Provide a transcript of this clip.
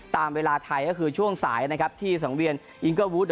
ตามเวลาไทยก็คือช่วงสายนะครับที่สังเวียนอิงเกอร์วูด